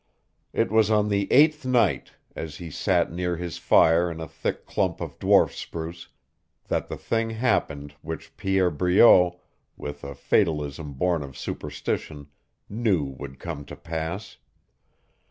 It was on the eighth night, as he sat near his fire in a thick clump of dwarf spruce, that the thing happened which Pierre Breault, with a fatalism born of superstition, knew would come to pass.